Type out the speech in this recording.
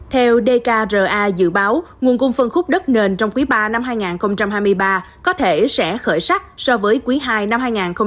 theo dkra dự báo nguồn cung phân khúc đất nền trong quý ba năm hai nghìn hai mươi ba có thể sẽ khởi sắc so với quý ii năm hai nghìn hai mươi ba